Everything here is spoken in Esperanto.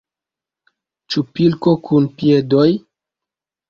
Ĉu pilko kun piedoj?